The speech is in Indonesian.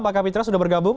pak kapitra sudah bergabung